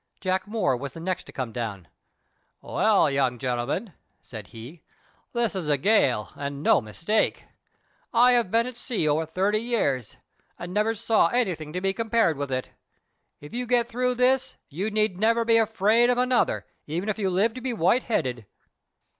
Jack Moore was the next to come down. "Well, young gentlemen," said he, "this is a gale and no mistake. I have been at sea over thirty years, and never saw anything to be compared with it. If you get through this you need never be afraid of another, even if you live to be white headed!"